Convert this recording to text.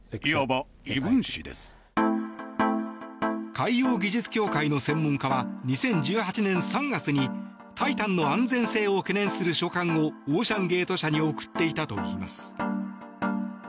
海洋技術協会の専門家は２０１８年３月に「タイタン」の安全性を懸念する書簡をオーシャン・ゲート社に送っていたといいます。